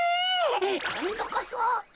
こんどこそ。